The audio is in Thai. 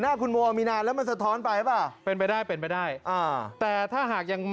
หน้าคุณมันสะท้อนไปป่ะเป็นไปได้เป็นไปได้แต่ถ้าหากยัง